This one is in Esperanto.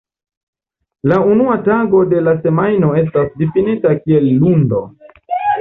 La unua tago de la semajno estas difinita kiel lundo.